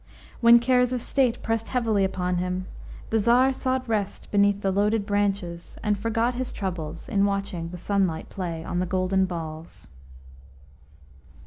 When cares of state pressed heavily upon him, the Tsar sought rest beneath the loaded branches, and forgot his troubles in watching the sunlight play on the golden balls.